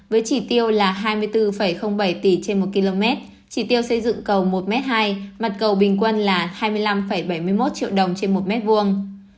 với chỉ tiêu là hai mươi bốn bảy tỷ trên một km chỉ tiêu xây dựng cầu một hai m mặt cầu bình quân là hai mươi năm bảy mươi một triệu đồng trên một m hai